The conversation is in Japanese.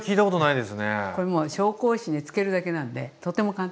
これもう紹興酒に漬けるだけなんでとても簡単。